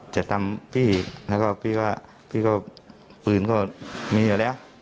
จะทำพี่แล้วก็พี่ก็พื้นก็มีอยู่แล้ว